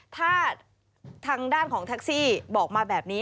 ถ้าทางด้านของแท็กซี่บอกมาแบบนี้